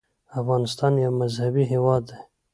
افغانستان یو مذهبي هېواد دی.